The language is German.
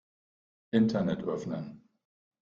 Internet öffnen.